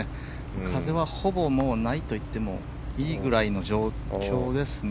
風は、ほぼないといってもいいぐらいの状況ですね。